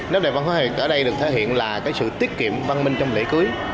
nét đại văn hóa việt ở đây được thể hiện là cái sự tiết kiệm văn minh trong lễ cưới